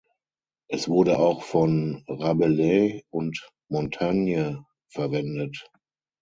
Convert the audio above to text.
Es wurde auch von Rabelais und Montaigne verwendet.